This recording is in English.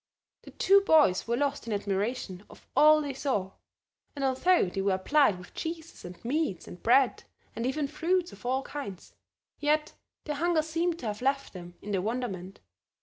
The two boys were lost in admiration of all they saw; and although they were plied with cheeses and meats and bread, and even fruits of all kinds, yet their hunger seemed to have left them in their wonderment.